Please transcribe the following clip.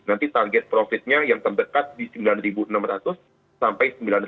nanti target profitnya yang terdekat di rp sembilan enam ratus rp sembilan sembilan ratus